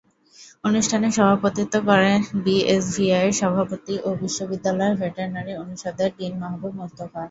অনুষ্ঠানে সভাপতিত্ব করেন বিএসভিইআরের সভাপতি ও বিশ্ববিদ্যালয়ের ভেটেরিনারি অনুষদের ডিন মাহবুব মোস্তফা।